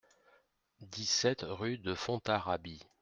dix-sept rUE DE FONTARABIE